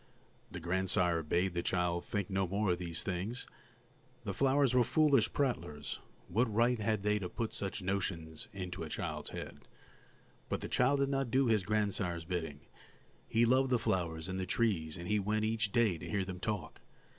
The grandsire bade the child think no more of these things; the flowers were foolish prattlers, what right had they to put such notions into a child's head? But the child did not do his grandsire's bidding; he loved the flowers and the trees, and he went each day to hear them talk.